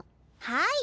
はい！